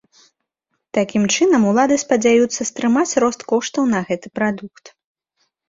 Такім чынам улады спадзяюцца стрымаць рост коштаў на гэты прадукт.